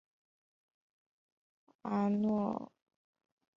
阿诺河圣雅各伯堂是意大利佛罗伦萨一个教堂。